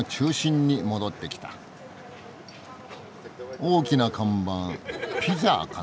大きな看板ピザかな？